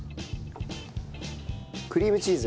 クリームチーズ。